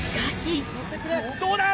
どうだ。